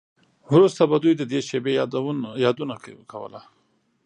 وروسته به دوی د دې شیبې یادونه کوله